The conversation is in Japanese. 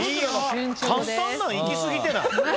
簡単なのいきすぎてない？